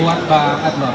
buat banget loh